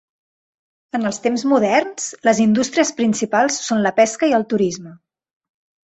En els temps moderns, les indústries principals són la pesca i el turisme.